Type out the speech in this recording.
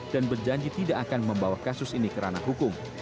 dan berjanji tidak akan membawa kasus ini kerana hukum